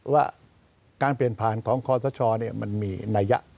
ว่าการเปลี่ยนผ่านของข้อสะช้อนี่มันมีนายะ